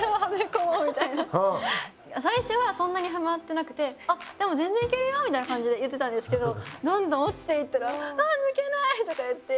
最初はそんなにハマってなくてあっでも全然いけるよみたいな感じで言ってたんですけどどんどん落ちていったらあぁ抜けないとか言って。